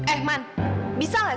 eh man bisa tidak